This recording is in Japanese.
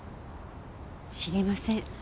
知りません。